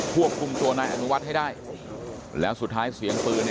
ควบคุมตัวนายอนุวัฒน์ให้ได้แล้วสุดท้ายเสียงปืน